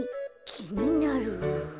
きになる。